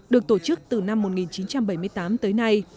được tổ chức từ năm một nghìn chín trăm bảy mươi tám tới nay